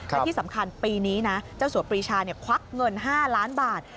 และที่สำคัญปีนี้นะเจ้าสัวปรีชาควักเงิน๕ล้านบาท